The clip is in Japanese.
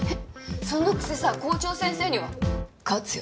そのくせさ校長先生には「勝つよ」。